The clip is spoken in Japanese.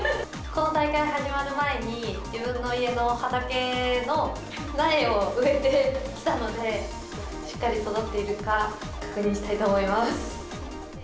が始まる前に自分の家の畑の苗を植えてきたので、しっかり育っているか、確認したいと思います。